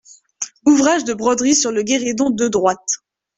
Ouvrage de broderie sur le guéridon de droite.